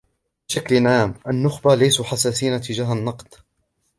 بشكل عام ، النخبة ليسوا حساسين تجاه النقد.